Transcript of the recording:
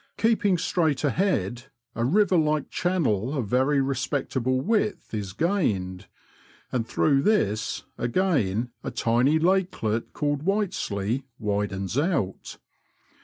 Keeping straight ahead, a river like channel of very respect able width is gained, and through this again a tiny lakelet called Whiteslea widens out.